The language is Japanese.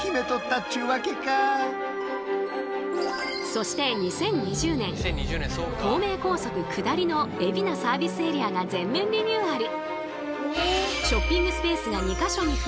そして２０２０年東名高速下りの海老名サービスエリアが全面リニューアル。